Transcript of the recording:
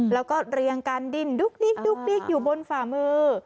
แล้วก็เรียงกันดิ้นดุ๊กดิ๊กอยู่บนฝ่ามือ